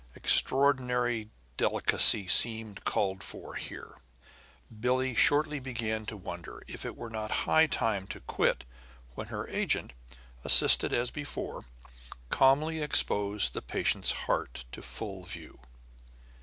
Extraordinary delicacy seemed called for here. Billie shortly began to wonder if it were not high time to quit when her agent, assisted as before, calmly exposed the patient's heart to full view.